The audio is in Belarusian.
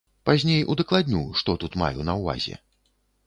Пазней удакладню, што тут маю на ўвазе.